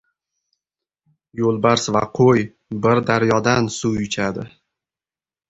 • Yo‘lbars va qo‘y bir daryodan suv ichadi.